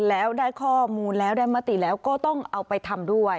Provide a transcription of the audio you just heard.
แล้วได้ข้อมูลแล้วได้มติแล้วก็ต้องเอาไปทำด้วย